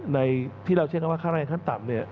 นี่ที่เราใช้คำว่าค่าแรงขั้นต่ำเนี่ย